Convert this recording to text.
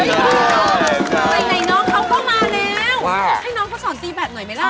ไหนน้องเขาก็มาแล้วให้น้องเขาสอนตีแบบหน่อยไหมล่ะ